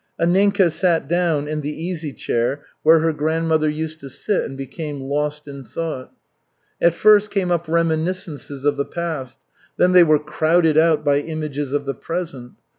Anninka sat down in the easy chair where her grandmother used to sit, and became lost in thought. At first came up reminiscences of the past; then they were crowded out by images of the present.